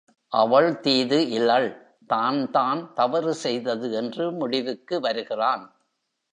அவள் தீது இலள் தான்தான் தவறு செய்தது என்று முடிவுக்கு வருகிறான்.